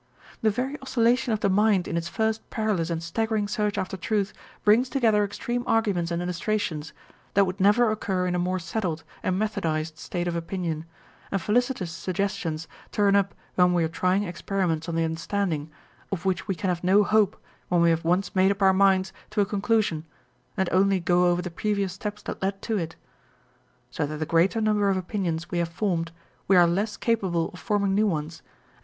The very oscillation of the mind in its first perilous and staggering search after truth, brings together extreme arguments and illustrations, that would never occur in a more settled and methodised state of opinion, and felicitous suggestions turn up when we are trying experiments on the understanding, of which we can have no hope when we have once made up our minds to a conclusion, and only go over the previous steps that led to it. So that the greater number of opinions we have formed, we are less capable of forming new ones, and 432 On Novelty and Familiarity.